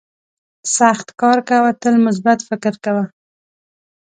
سخت کار کوه تل مثبت فکر کوه.